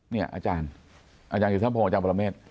เนี่ยอาจารย์อาจารย์พงศ์อาจารย์ปรเมฆ